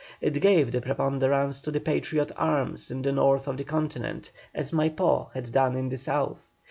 It gave the preponderance to the Patriot arms in the North of the Continent, as Maipó had done in the South.